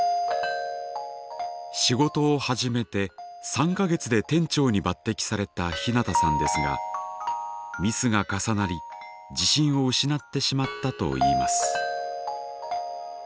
仕事を始めて３か月で店長に抜てきされたひなたさんですがミスが重なり自信を失ってしまったといいます。